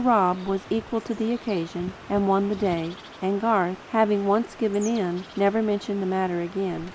Rob was equal to the occasion, and won the day; and Garth, having once given in, never mentioned the matter again.